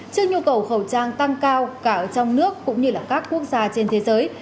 trước nhu cầu khẩu trang tăng cao cả trong nước cũng như là các quốc gia trên thế giới